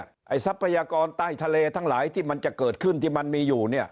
ทรัพยากรใต้ทะเลทั้งหลายที่มันจะเกิดขึ้นที่มันมีอยู่เนี่ย